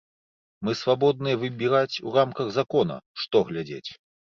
Мы свабодныя выбіраць у рамках закона, што глядзець.